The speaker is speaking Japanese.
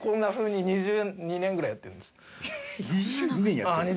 ２２年やってるんですか？